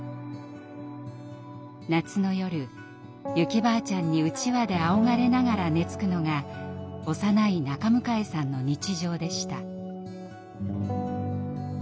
夏の夜ユキばあちゃんにうちわであおがれながら寝つくのが幼い中迎さんの日常でした。